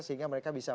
sehingga mereka bisa